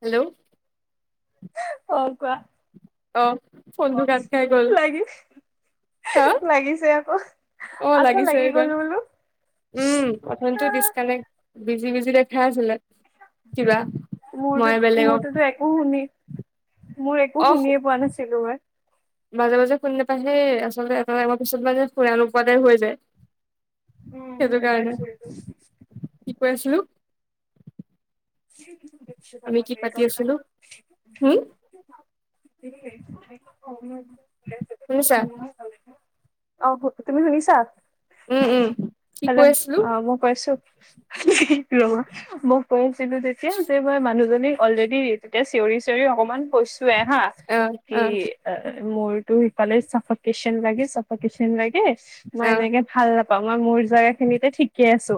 Hello অ কোৱা অ ব ফোনটো কাট খাই গ'ল লাগিছে হা লাগিছে আকৌ অ আকৌ লাগি গলো বোলো প্ৰথমতটো ডিচকানেক্ট বিজি বিজি দেখা আছিলে কিবা মোৰ মই বেলেগক মোৰটোতো একো শুনি মোৰ একো অ শুনিয়ে পোৱা নাছিলো এবাৰ মাজে মাজে শুনি নাপায়হে আচলতে এটা তোমাৰ পিছত মানে শুৰা নোপোৱাকে শুৱে যে [unintelligible] কি কৈ আছিলো? [unintelligible] [unintelligible] আমি কি পাতি আছিলো হম শুনিছা অ তুমি শুনিছা উম উম কি হেল্ল কৈ আছিলো অ মোক কৈছো ৰবা মই কৈছিলো তেতিয়া যে মই মানুহজনী অলৰেডি তেতিয়া চিঞৰি চিঞৰি অকমান কৈছো হা অ কি অ মোৰতো সিফালে চাফাকেশচন লাগে চাফাকেচন লাগে মই অ এনেকে ভাল নাপাওঁ মই মোৰ জোগা খিনিতে থিকেই আছো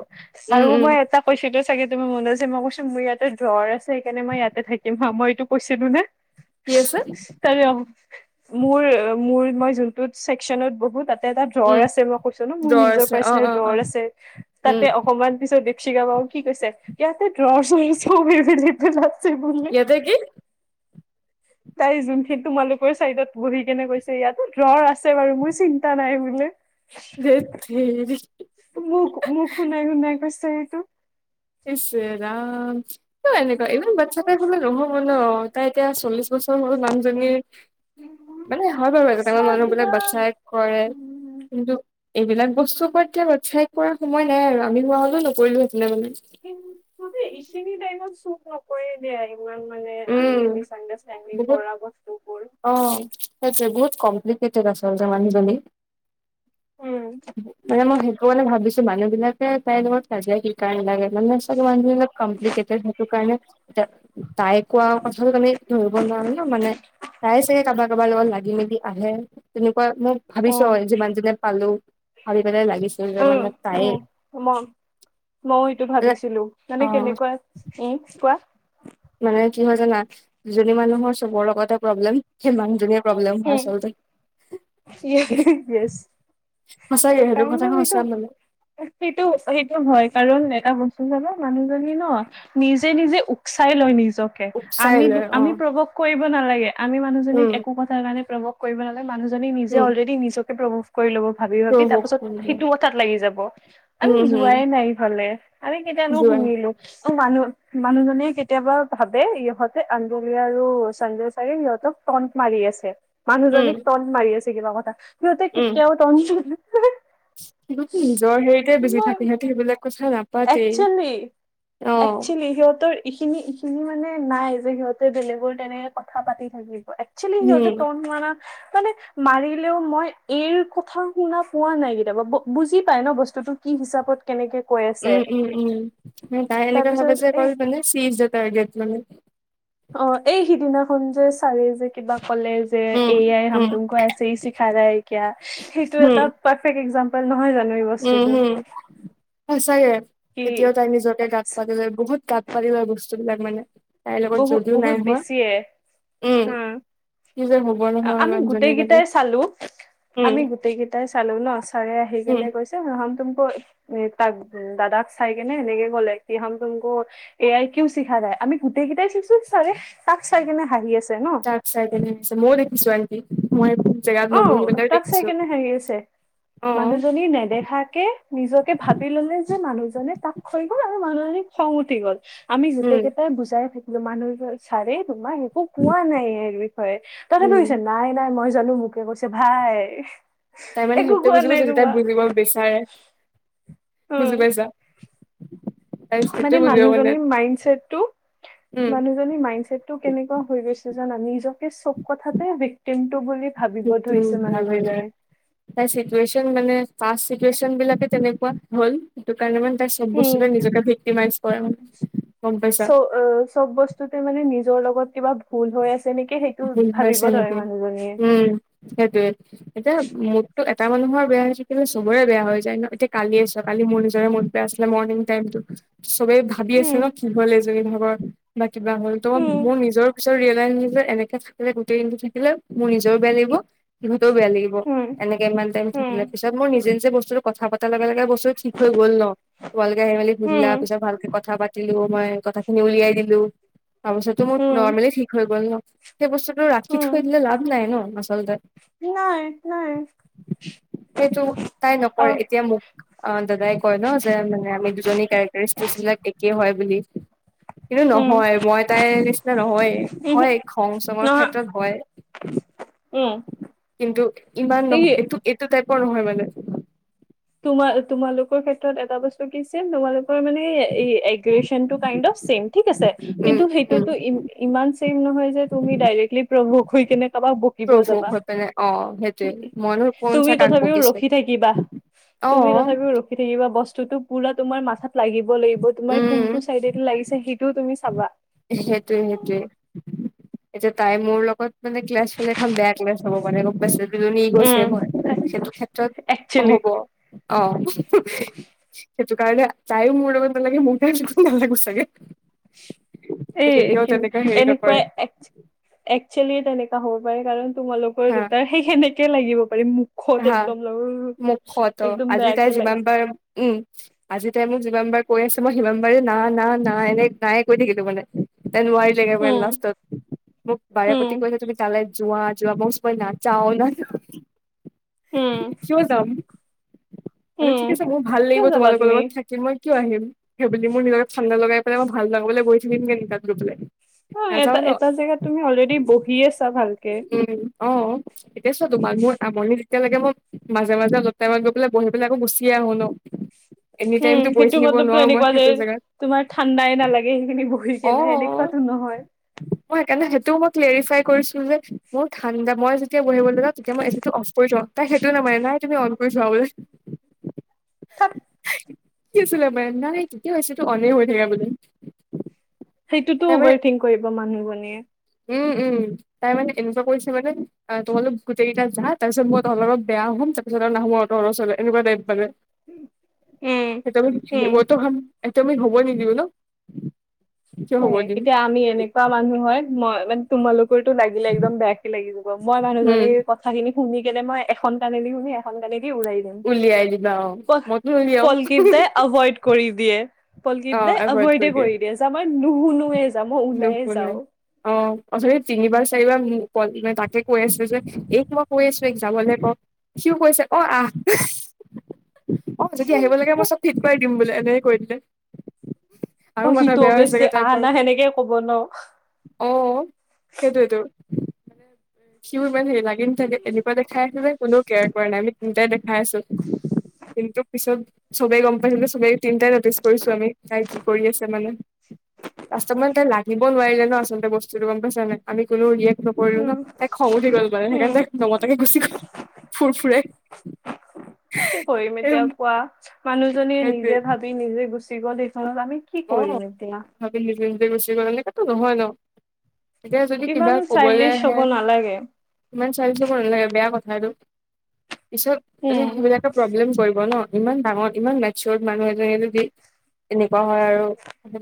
আৰু উম উম মই এটা কৈছোটো চাগে তু মনত যে মই মোৰ ইয়াতে জ্বৰ আছে সেইকাৰণে মই ইয়াতে থাকিম হ মই এইটো কৈছিলো নে কি আছে। মোৰ মোৰ মই যোনটোত চেকচনত বহো তাত এটা ডৰ উম আছে মই কৈছো ন মোৰ জ্বৰ নিজৰ আছে অ পাৰ্চনেল অ অ ডৰ আছে উম তাতে অকমান পিছত দেপচিশা বাও কি কৈছে ইয়াতে দৰ চ [unintelligible] ইয়াতে কি? তাই যোনখিনি তোমালোকৰ চাইডত বহি কেনে কৈছে ইয়াতো দৰ আছে বাৰু মোৰ চিন্তা নাই বোলে। ধেত তেৰি। মোক মোক শুনাই শুনাই কৈছে সেইটো ইচ ৰাম। কিয় এনেকুৱা ইমান বাচ্ছা তাইপ হ'লে নহ'ব ন তাই এতিয়া চল্লিশ বছৰ হল মানুজনীৰ মানে হয় বাৰু এটা টাইমত মানুহবিলাক বচাই কৰে কিন্তু এইবিলাক বস্তুৰ ওপৰত এতিয়া বাচাই কৰা সময় নাই আৰু আমি হোৱা হলেও নকৰিলো হেতেন মানে কিন তুদে ইশিনী টাইমত চুক নকৰে এনেই আইঐ [unintelligible] তুৱাঙমাৰ মানে উম মিছ আডাৰেডিং বহুত কৰা বস্তুবোৰ অ সেইটোৱে বহুত কম্প্লিকেটেড আচলতে মানুহজনী উম মানে মই সেইটো কাৰণে ভাবিছো মানুহ বিলাক তাই লগত কাজিয়া কি কাৰণে লাগে মানে মানে কম্প্লিকেটেড হেতটো কাৰণে এ তাইক কোৱা কথাতটো আমি ধৰিব নোৱাৰো ন মানে তাই চাগে কাবাৰ কাবাৰ লগত লাগি মেলি আহে। তেনেকুৱা মই ভাবিছো উম যিমান যোনে পালো। ভাবি পেলাই লাগিছিল যেবাৰ মোক তায়েই ওমন মইও এইটো ভাবিছিলো অ মানে কেনেকুৱা উম কোৱা মানে কি হয় জানা দুজনী মানুহৰ চবৰ লগতে প্ৰব্লেম সেই মানুহজনীয়ে প্ৰব্লেম হয় উম আচলতে য়েছ সঁচাকে সেইটো একাউণ্ট কথা অফ এইটো সঁচা মানে সেইটো সেইটো হয় কাৰণ এটা বস্তু জানা মানুহজনী ন নিজে নিজে উকচাই লয় নিজকে উকচাই আমি লয় অ আমি প্ৰৱক কৰিব নালাগে আমি মানুহজনীক উম একো কথাৰ কাৰণে প্ৰভোৱ কৰিব নালাগে মানুহজনীক নিজে উম অলৰেডি নিজকে প্ৰভোৱ কৰি ল'ব ভাবি ভাবি প্ৰভু তাৰ পাছত সেইটো কথাত লাগি যাব আমি উম হম যোৱাই নাই ইফালে আমি কেতিয়ানো যোৱা শুনিলো। মানুহ মানুহজনে কেতিয়াবা ভাবে ইহঁতে আঞ্জলি আৰু সঞ্জয় চাৰে সিহঁতক টণ্ট মাৰি আছে উম মানুহজনীক টন্ট মাৰি আছে কিবা কথা, সিহঁতে কেতিয়াও টন্ট জানা গুটি, নিজৰ হেৰিতোৱে বিজি থাকে সিহঁতি সেইবিলাক কথা না একচেলি একচেলি সিহঁতৰ- এইখিনি এইখিনি মানে নাই যে সিহঁতে বেলেগৰ তেনেকে কথা পাতি থাকিব। এক্সুৱালি সিহঁতি উম, তন না মানে- মাৰিলেও মই এইৰ কথা শুনা পোৱা নাই কেতিয়াবা বুজি পাই ন বস্তুতো কি হিচাপত কেনেকে কয় উম উম উম তাই এনেকৈ ভাবে যে তাৰপিছত এই অকল মানে চিজ ইজ দা টাৰ্গেট মানে অঁ এই সিদিনাখন যে ছাৰে যে কিবা কলে যে উম, এয়াই উম, হামডুম কৈ আছে। নাই সেইটো হুম, এটা পাৰফেক্ট এক্জাম্পল নহয় জানো, এই- উম বস্তুটো হুম সচাকে কি এতিয়াও তাই নিজকে গাত- পাতিলৰ বহুত তাঁত পাতিলোৱা বস্তুবিলাক মানে- তাইৰ লগত বহু যদিও নাই বহুত হোৱা বেছিয়ে উম, হা কি যে হ'ব নহয় আমি গোটেই মানুহজনীৰ মানে। কেইটাই চালো। উম, আমি গোটেই কেইটাই চালো ন ছাৰে আহি উম। কেনে কৈছে। তুমকো তাক দাদাক চাই কেনে এনেকে গলে কি হম তুমকু- এয়াই কিও শিখা নাই আমি গোটেই কেইটাই শিকিছো ছাৰে তাক চাই কিনে হাঁহি আছে ন। তাক চাই পিনে, মই দেখিছো আনকি মই- জেগাত অ নবহি পেলাইও তাক চাই দেখিছো। কেনে হেৰি আছে অ'। মানুহজনী নেদেখাকে- নিজকে ভাবি ললে যে মানুহজনে তাক থ‌ই গল আৰু মানুহজনী খং উঠি গ'ল। আমি গোতে উম, কেইটাই বুজাই থাকিলো মানুহ ছাৰে তোমাক একো কোৱা নাই ইয়াৰ বিষয়ে। কাৰনে উম, কৈছে নাই নাই মই জানো মোকে কৈছে ভাই। তাই মানে একো সেইটোৱে কোৱা বুজি নাই পাইছে তাই তোমাক বুজিব বিচাৰে, উম বুজি পাইছা। তাই সেইটোৱে মানে বুজিব মানে মানুহজনীৰ মাইণ্ড ছেট টো উম মানুহ- মাইণ্ড ছেটটো কেনেকুৱা হৈ গৈছে জানা নিজকে চব কথাতে ভিক্টিম টো বুলি। ভাবিব সেইটো ধৰিছে ভাবিলে মানুহজনীয়ে- তাই চিটুৱেচন মানে চিটুৱেচন বিলাকে তেনেকুৱা হল, সেইটো কাৰণে মানে- চব বস্তুে নিজে ভিটিমাইজ কৰে উম গম চ' পাইছা। অ' চব বস্তুতে মানে নিজৰ লগত কিবা ভুল হৈ আছে নেকি সেইটো ভুল ভাবিব ধৰে মানুহজনীয়ে। সেইটোৱে- এতিয়া মুদতটো এটা মানুহৰ বেয়া হৈ থাকিলে চবৰে বেয়া হৈ যায় ন এতিয়া কালিয়ে ছোৱা কালি মোৰ নিজৰে মুদ- ছিলে মৰ্নিং টাইমটো- চবেই ভাবি আছে ন উম কি হ'ল এজনী ভাগৰ বা কিবা হল তো উম মোৰ নিজৰ- ৰিয়েলাইজ হৈছে যে এনেকে থাকিলে গোটেই দিনটো থাকিলে মোৰ নিজৰও বেয়া লাগিব- সিহঁতেও বেয়া লাগিব উম একে ইমান টাইম থাকিলে পিছত মোৰ নিজে নিজে বস্তুটো কথা পতা লগা লগে বস্তু- ঠিক হৈ গল ন তোমালোকে আহি মেলি উম শুধিলা উম পিছত ভালকে কথা পা- লো মই কথা খিনি উলিয়াই দিলো তাৰপিছতো মোৰ উম নৰ্মেলি ঠিক হৈ গ'ল ন। সেই বস্তুটো ৰাখি উম থৈ দিলে লাভ নাই ন আচলতে- নাই নাই সেইটো তাই অ নকৰে এতিয়া মোক- অ দাদাই কয় ন যে মানে আমি দুজনী কেৰেক্টাৰষ্ট বিলাক একে হয় বুলি। কিন্তু উম নহয় মই তাই নিচিনা নহয়ে, উহু হয় খং চঙৰ নহয় ক্ষেত্ৰত হয়। উম- কিন্তু ইমান নহয় এই এইটো এইটো টাইপৰ নহয় মানে- তোমাৰ তোমালোকৰ ক্ষেত্ৰত এটা বস্তু কি ছিম তোমালোক- মানে এই এগ্ৰচনটো কাইণ্ড অফ ছেম ঠিক আছে। উম কিন্তু উম সেইটোতো ই ইমান ছেম নহয় যে তুমি ডাইৰেক্টলি প্ৰভুক হৈ কেনে কাৰোবাক। থাকিব প্ৰভোক যাবা হৈ পিনে অ সেইটোৱে মইনো কোন চা তুমি কাক তথাপিও বকিছে ৰখি থাকিবা। অ তুমি তথাপিও ৰখি থাকিবা বস্তুতটো পুৰা তোমাৰ মাথাত লাগিব লাগিব তোমাৰ। উম টো চাইডে লাগিছে সেইটোও তুমি চাবা। সেইটোৱে সেইটোৱে এতিয়া তাই মোৰ লগত- মানে ক্লাছ হলে এখন বেয়া ক্লাছ হ'ব পাৰে, গম পাইছো। দুজনী গৈছে মই সেইটো ক্ষেত্ৰত- অক্সুৱেলি হ'ব অ সেইটো কাৰণে তাইও মোৰ লগত নালাগে, মইও তাইৰ লগত নালাগো চাগে। মানে এই কেতিয়াও কিন- তেনেকা হেৰি নকৰে এনেকুৱাই এক একচুৱেলি তেনেকা হ'ব পাৰে। কাৰণ তোমালোকৰ হা দুটাৰ সেই সেনেকে লাগিব পাৰে মোক হা, মুখত একদম আজি তাই বেয়াকে যিমান লাগিছে। পাৰে উম। আজি তাই মোক যিমান বাৰ কৈ আছে মই সিমান বাৰে না না না এনে নায় কৈ থাকিল তো মানে এ নোৱাৰি। লেগেৰে বাৰ উম, লাষ্টত, মোক বাৰে উম, প্ৰতি কৈছে তুমি - তালে যোৱা যোৱা, মই কৈছো নাযাও ন- উম। যাম মানে উম। ঠিক আছে মোৰ ভাল লাগিব কিয় যাবা তোমালোকৰ তুমি? লগত থাকি মই কিয় আহিম, সেইবুলি মোৰ নিজৰ ঠান্দা লগাই পেলাই ভাল লগাবলৈ বহি থাকিমগে নেকি তাত গৈ পেলাই। অ এটা নাযাওঁ ন এটা জেগাত তুমি অলৰেডি বহি আছা ভালকে। উম অ এতিয়া চোৱা তোমাক মোৰ আমনি এতিয়ালৈকে মই মাজে মাজে [unintelligible] পেলাই বহি পেলাই আকৌ গুচিয়ে আহো ন। এনি উম টাইমতো বহি সেইটো থাকিব মতলবতো নোৱাৰো মই এনেকুৱা যে সেইটো জেগাত তোমাৰ ঠাণ্ডাই নালাগে সেইখিনি বহি অ কেনে এনেকুৱাতো নহয়। মই সেইকাৰণে সেইটোও মই ক্লাৰিফ্ৰাই কৰিছিলো যে মোৰ ঠাণ্ডা মই যেতিয়া বহিবলৈ যাও তেতিয়া মই এ চি টো অফ কৰি থও। তাই সেইটো নামানে নাই তুমি অন কৰি থোৱা বোলে। থাত কি আছিলে মেন নাই তেতিয়াও এ চি টো অনে হৈ থাকে বোলে। সেইটোতো তাই মানে অভাৰ থিংক কৰিব মানুহজনীয়ে উম উম। তাই মানে এনেকুৱা কৰিছে মানে, তোমালোক গোটেই কেইটা যা, তাৰপিছত মই তহঁতৰ লগত বেয়া হ'ম পাছত আৰু নাহু আৰু তহঁতৰ ওচৰলে এনেকুৱা টাইপ মানে। উম, উম। [unintelligible] ৱহ তো হম, এইটো হব নিদিওঁ ন। কিয় এ হ'ব দিম। এতিয়া আমি এনেকুৱা মানুহ হয় মই মা- তোমালোকৰতো লাগিলে একদম বেয়াকে লাগি যাব মই উম, মানুহজনী কথ- কথাখিনি শুনি কেনে মই এখন কানেদি শুনি এখন কানেদি ওৰাই দিম। উলিয়াই দিবা অ' পহ মইতো উলিয়াও পলকিটাই এভইড কৰি দিয়ে। পলকিট অ' দাই এভইড এভইডে কৰি দিয়ে, যা মই নুহুনুৱে [unintelligible] অ অথনি তিনিবাৰ চাৰিবাৰ কে তাকে কৈ আছে যে এইক মই কৈ আছ ও এইক যাবলে কওক। সিও কৈছে অ আহ। অ যদি আহিব লাগে মই চব থিক কৰি দিম বোলে এনেকে কৈ দিলে, আৰু মাথা বেয়া হৈছেগে। তাইৰ বাৰু আহনা সেনেকে ক'ব ন। অ সেইটোৱেটো। সিও ইমান হেৰি লাগি নাথাকে। এনেকুৱা দেখাই আছে যে কোনো কেয়াৰ কৰা নাই আমি দুইতাই দেখাই আছো, কিন্তু পিছত চবেই গম পাই হেনো চবেই তিনিটাই নটিচ কৰিছো আমি তাই কি কৰি আছে মানে। লাষ্টত মানে তাই লাগিব নোৱাৰিলে ন আচলতে বস্তুটো গম পাইছ নাই, আমি কোনো উলিয়াই নকৰিলো উম ন। তাইৰ খং উঠি গ'ল মানে, উম সেইকাৰণে তাই নমতাকে গুচি গ'ল ফুৰ ফুৰাই। কি কৰিম এতিয়া কোৱা? মানুহজনীয়ে সেইটোৱে নিজে ভাবি নিজে গুচি গ'ল সেইখনত আমি কি কৰিম এতিয়া? ভাবিলোঁ নিজে নিজে গুচি গল, সেনেকাতো নহয় ন। এতিয়া যদি কিবা ইমানো কবলৈ চাইল্ডিছ আহে হ'ব নালাগে। ইমান চেলফিছ হ'ব নালাগে বেয়া কথা সেইটো। পিছত এ উম সেইবিলাকে প্ৰব্লেম কৰিব ন ইমান ডাঙৰ ইমান মেচুৰত মানুহ এজনে যদি এনেকুৱা হয় আৰু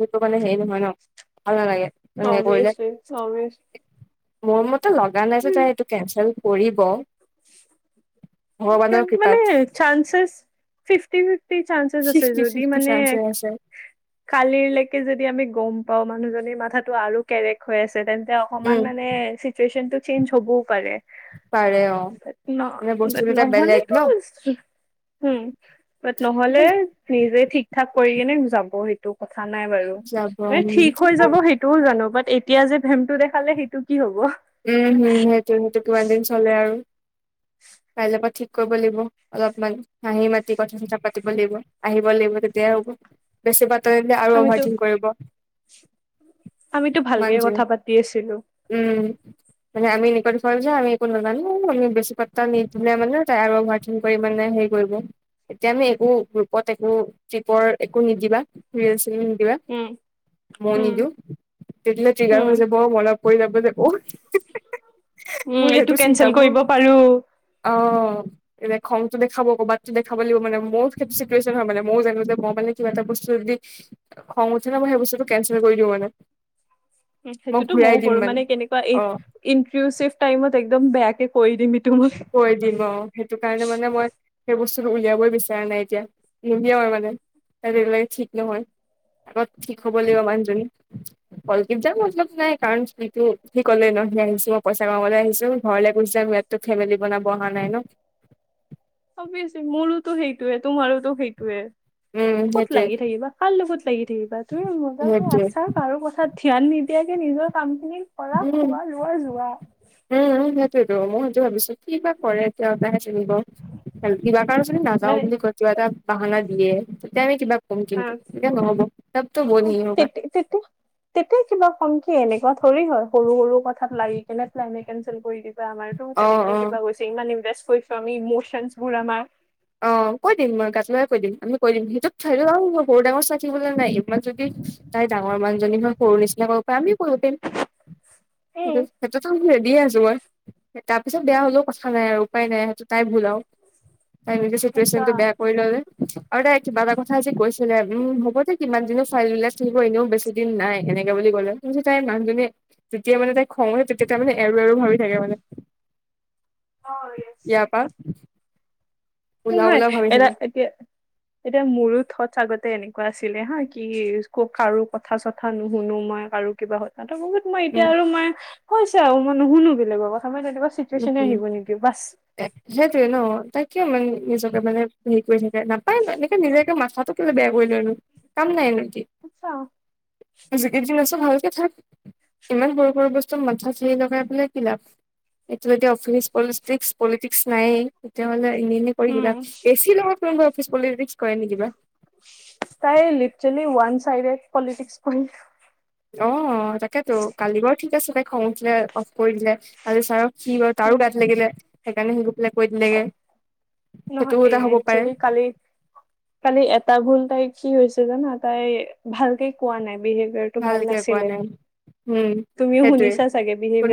সেইটো মানে হেৰি নহয় ন, ভাল নালাগে। তেনেকে কৰিলে অবিএছলি অবিএছ মোৰ মতে লগা নাই যে তাই এইটো কেনচেল কৰিব। ভগৱানৰ কৃপাত মানে চানছেচ ফিফটি ফিফটি চানসেছ আছে ফিফটি যদি ফিফটি মানে চান্সে আছে কালিলৈকে যদি আমি গম পাও মানুহজনীৰ মাথাতো আৰু কেৰেক হৈ আছে, তেন্তে উম অকমান মানে চিটুৱেচন টো চেঞ্জ হবও পাৰে। পাৰে অ, এনে বস্তু নহ'লে টো হোম হোম বাত নহ'লে নিজেই ঠিক ঠাক কৰি কিনে যাব সেইটো কথা নাই বাৰু যাব মানে উম ঠিক হৈ যাব উম সেইট টোও জানো বাত এতিয়া যে ভেমটো দেখালে সেইটো কি হ'ব। উম হোম সেইটো সেইটো কিমান দিন চলে আৰু কাইলৈ পৰা ঠিক কৰিব লাগিব অলপমান হাঁহি মাতি কথা চথা পাতিব লাগিব। আহিব লাগিব তেতিয়াহে হ'ব। বেছি বাতৰি দিলে আৰু অ'ভাৰ আমিতো একটিং কৰিব। আমিতো ভালকে মানজুৱে কথা পাতি আছিলোঁ। উম। মানে আমি নিকট যে আমি একো নাজানো আমি বেছি পাতা নিদিলে মানে তাই আমাক কঠিন পৰিমাণে হেৰী কৰিব এতিয়া আমি একো গ্ৰুপত একো ট্ৰিপৰ একো নিদিবা। নিদিবা। উম মই উম নিদিওঁ। তেতিয়া হ'লে টিগাৰ উম হৈ যাব মনত পৰি যাব যে আকৌ। উম এইটো কেনচেল কৰিব পাৰোঁ। অহ। এনে খংটো দেখাব ক'বাতটো দেখাব লাগিব মানে মোৰ সেইটো চিটুৱেচন হয় মানে মও জানো যে মই মানে কিবা এটা বস্তু যদি খং উঠে ন মই সেই বস্তুটো কেনচেল কৰি দিওঁ মানে। উম মই সেইটোতো ঘূৰাই ময়ো দিম কৰোঁ মানে কেনেকুৱা এই অ ইনটউি টাইমত একদম বেয়াকে কৈ দিম এইটো মই। কৈ দিম অ সেইটো কাৰণে মানে মই সেই বস্তুটো উলিয়াবই বিচৰা নাই এতিয়া নোলিৱাও আৰু মানে যেতিয়ালৈকে ঠিক নহয়, আগত ঠিক হ'ব লাগিব মানুহজনী। কলগীত যাম মতলপ নাই কাৰণ সেইটো সে ক'লেই ন সি আহিছোঁ মই পইছা কামাবলে আহিছোঁ ঘৰলে কৈছে যাম ইয়াততো ফেমেলি বনাব অহা নাই ন। অবিয়েচলি মোৰোটো সেইটোৱে তোমাৰোটো সেইটোৱে। উম ক'ত সেইটোৱে লাগি থাকিবা কাৰ লগত লাগি থাকিবা তুমি মজাকে সেইটোৱে আছা কাৰু কথাত ধ্যান নিদিয়াকে নিজৰ কামখিনিত উম। উম সেইটোৱে টো মই সেইটো ভাবিছোঁ কি বা কৰে এতিয়া তেওঁ হে জানিব। কিবা কাৰণত যদি নাযাওঁ মানে বুলি কয় কিবা এটা বাহানা দিয়ে তেতিয়া আমি কিবা কম কিন্তু, আহ, তেতিয়া নহ'ব। তব টো ৱ নাহি হগা। তেতি- তেতিয়া তেতিয়া কিবা কম কি এনেকুৱা ঠৰে হয় সৰু সৰু কথাত লাগি কিনে প্লেনে কেনচেল কৰি দিবা আমাৰ। তেওঁ অ তেনেকে অ কিবা কৈছে ইমান ইমপ্ৰেষ্ট কৰিছোঁ আমি ইমোচনচ বোৰ আমাৰ। অ কৈ দিম মই গাত লগাকে কৈ দিম আমি কৈ দিম সিটোত সেইটোত আৰু মই সৰু ডাঙৰ পাতিবলৈ নাই। ইমান যদি তাই ডাঙৰ মানুহজনী হৈ সৰু নিচিনা কৰিব পাৰে আমিও কৰিব পাৰিম। এ সেইটো সেইটোতো আমি ৰেডিয়ে আছোঁ মই, তাৰ পিছত বেয়া হ'লেও কথা নাই আৰু উপায় নাই সেইটো তাই ভুল আৱ। [inaudible] তাই নিজে সঁচা চিটুৱেচনটো বেয়া কৰি ল'লে আৰু তাই কিবা এটা কথা আজি কৈছি ছিলে। উম হ'ব দে কিমান দিননো ছোৱালী বিলাক থাকিব এনেও বেছি দিন নাই। এনে এনেকে বুলি ক'লে। মই ভাবিছোঁ তাই মানুহজনীয়ে যেতিয়া মানে তাই খং উঠে তেতিয়া তাই মানে এৰো এৰো ভাবি থাকে মানে। ইয়াৰ পা। কি হয় ভাবি এটা থাকে এতিয়া এতিয়া মোৰো থট আগতে এনেকুৱা আছিলে হা কি ক কাৰো কথা চথা নুশুনো মই কাৰো কিবা হয় তাতো বহুত। মই এতিয়া আৰু মই হৈছে আৰু মই নুশুনো বেলেগৰ কথা মই তেনেকুৱা চিটুৱেচনে আহিব নিদিওঁ বচ। এ, সেইটোৱে ন তাই কিয় মানে নিজকে মানে হেৰী কৰি থাকে নাপায় এনেকে নিজকে মাথাটো কেলে বেয়া কৰি লৈ নো, কাম নাই নেকি। আচ্ছা যিকেইদিন আছো ভালকে থাক ইমান সৰু সৰু বস্তু মাথা চিৰি লগাই বোলে কি লাভ আছে। এইটো যেতিয়া অফিচ পলিটক্স পলিটিক্স নায়েই তেতিয়াহলে এনেই এনেই কৰি কিবা উম এ চি লগত তোক অফিচ পলিটিক্স কৰে নে কিবা। তাই লিটেৰলি ওৱান চাইডেত পলিটিক্স কৰি অ তাকেতো কালি বাৰু ঠিক আছে তাই খং উঠিলে অফ কৰি দিলে। আজি চাৰ সি বাৰু তাৰো গাত লাগিলে সেইকাৰণে সি গৈ পেলাই কৈ দিলেগে। নহয় সেইটোও এ এটা হ'ব পাৰে একচোৱেলি কালি খালি এটা ভুল তাই কি হৈছে জানা তাই ভালকে কোৱা নাই বিশেষ তোমাৰতো ভাল ভালকে নাছিল কোৱা নাই উম তুমিও সেইটোৱে শুনিছা চাগে বিহেভিয়াৰ কোন